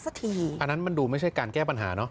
ซักทีอันนั้นมันดูไม่เป็นการแก้ปัญหาเนอะ